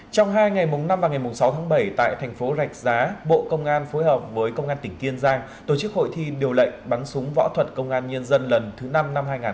trong hai ngày năm và ngày sáu tháng bảy tại tp rạch giá bộ công an phối hợp với công an tp kiên giang tổ chức hội thi điều lệnh bắn súng võ thuật công an nhân dân lần thứ năm năm hai nghìn một mươi chín